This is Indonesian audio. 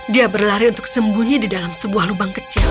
dia berlari untuk sembunyi di dalam sebuah lubang kecil